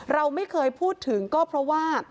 เราไม่เคยพูดถึงก็เพราะว่า